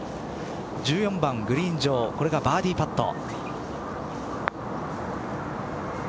１４番グリーン上これがバーディーパット。